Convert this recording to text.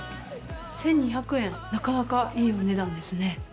１２００円なかなかいいお値段ですね。